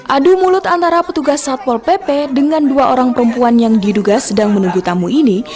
adu mulut antara petugas satpol pp dengan dua orang perempuan yang diduga sedang menunggu tamu ini